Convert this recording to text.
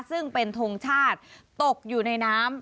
ซึ่งเป็นทงชาติตกอยู่ในน้ำ